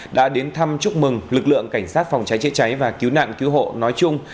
đã đến thăm chúc mừng lực lượng cảnh sát phòng cháy chữa cháy và cứu nạn cứu hộ nói chung